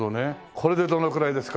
これでどのくらいですか？